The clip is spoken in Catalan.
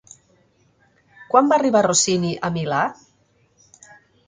Quan va arribar Rossini a Milà?